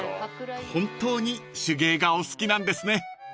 ［本当に手芸がお好きなんですね］